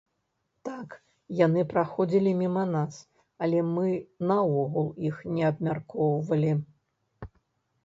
Так, яны праходзілі міма нас, але мы наогул іх не абмяркоўвалі.